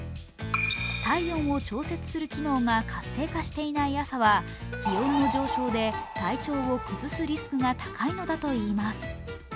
体温を調節する機能が活性化していない朝は、気温の上昇で体調を崩すリスクが高いのだといいます。